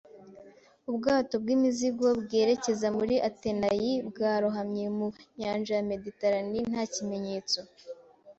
Ubwato bw'imizigo bwerekezaga muri Atenayi, bwarohamye mu nyanja ya Mediterane nta kimenyetso.